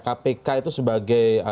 kpk itu sebagai